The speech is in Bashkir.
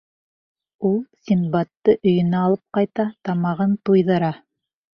Ул Синдбадты өйөнә алып ҡайта, тамағын туйҙыра.